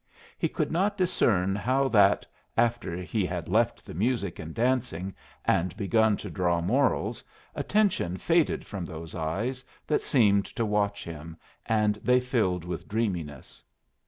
He could not discern how that, after he had left the music and dancing and begun to draw morals, attention faded from those eyes that seemed to watch him, and they filled with dreaminess.